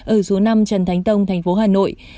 ở số năm trần thánh tông thành phố hà nội